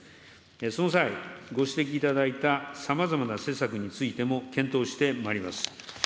その際、ご指摘いただいたさまざまな施策についても検討してまいります。